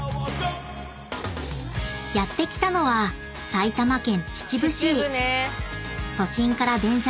［やって来たのは埼玉県］